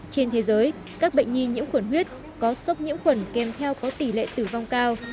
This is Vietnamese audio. trên thế giới các bệnh nhi nhiễm khuẩn huyết có sốc nhiễm khuẩn kèm theo có tỷ lệ tử vong cao